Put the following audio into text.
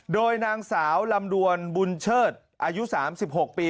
โดยนางสาวลำดวนบุญเชิดอายุ๓๖ปี